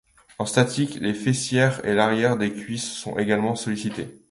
En statique, les fessiers et l'arrières des cuisses sont également sollicités.